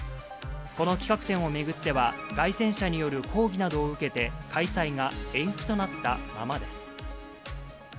この企画展を巡っては、街宣車による抗議などを受けて開催が延期となったままです。